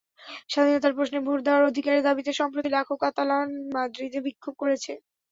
স্বাধীনতার প্রশ্নে ভোট দেওয়ার অধিকারের দাবিতে সম্প্রতি লাখো কাতালান মাদ্রিদে বিক্ষোভ করেছে।